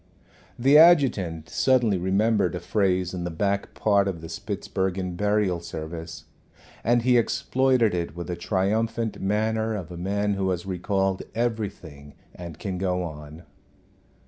The adjutant suddenly remembered a phrase in the back part of the Spitzbergen burial service, and he exploited it with the triumphant manner of a man who has recalled everything, and can go on.